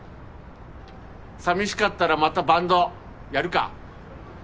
寂しかったらまたバンドやるか？